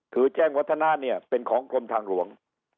คือแจ้งวัฒนาเนี่ยเป็นของกรมทางหลวง